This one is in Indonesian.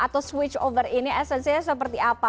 atau switch over ini esensinya seperti apa